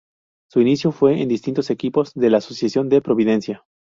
Su inicio fue en distintos equipos de la Asociación de Providencia.